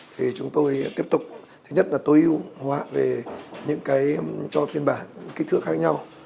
thì chúng tôi tiếp tục thứ nhất là tối ưu hóa về những cái cho phiên bản kích thước khác nhau